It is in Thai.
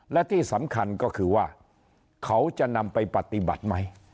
และที่สำคัญก็คือว่าเขาจะนำไปปฏิบัติไหม